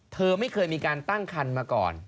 เธอไม่เคยมีการตั้งคันมาก่อน